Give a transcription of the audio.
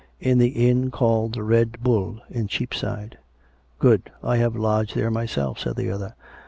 '*"" In the inn called the ' Red Bull,' in Cheapside." " Good. I have lodged there myself," said the other.